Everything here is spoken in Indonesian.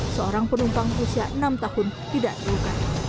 seorang penumpang usia enam tahun tidak terluka